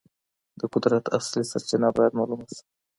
د قدرت اصلي سرچینه باید معلومه سي.